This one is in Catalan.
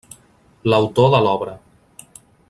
L'autor de l'obra.